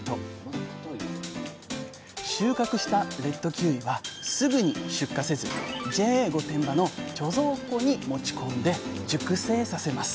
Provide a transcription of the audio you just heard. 収穫したレッドキウイはすぐに出荷せずＪＡ御殿場の貯蔵庫に持ち込んで熟成させます。